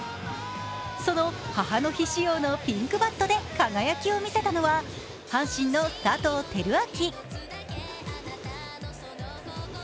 その母の日仕様のピンクバットで輝きを見せたのは阪神の佐藤輝明。